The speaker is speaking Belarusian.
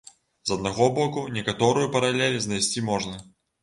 З аднаго боку, некаторую паралель знайсці можна.